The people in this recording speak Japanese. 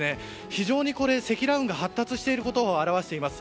非常に積乱雲が発達していることを表しています。